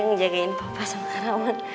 ngejagain papa sama roman